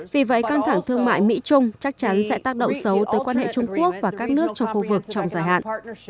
vì vậy căng thẳng thương mại mỹ trung chắc chắn sẽ tác động xấu tới quan hệ trung quốc và các nước trong khu vực trong dài hạn